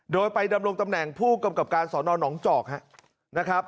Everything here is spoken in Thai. โดยไปดำรงตำแหน่งผู้กำกับการสอนอนหนองจอกนะครับ